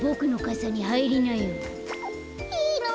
いいの？